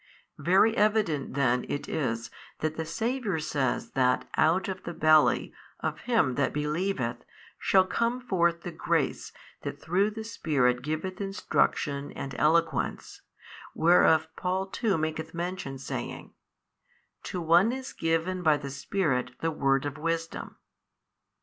Very evident then it is that the Saviour says that out of the belly of him that believeth shall come forth the grace that through the spirit giveth instruction and eloquence, whereof Paul too maketh mention saying, To one is given by the Spirit the word of wisdom.